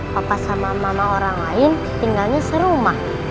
papa sama mama orang lain tinggalnya serumah